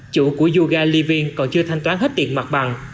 chủ của yoga living còn chưa thanh toán hết tiền mặt bằng